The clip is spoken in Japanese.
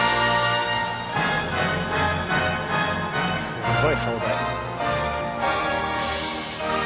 すごい壮大。